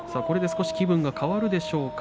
少し気分が変わるでしょうか。